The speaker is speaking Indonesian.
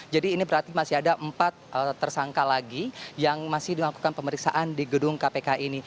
jadi ini berarti masih ada empat tersangka lagi yang masih dilakukan pemeriksaan di gedung kpk ini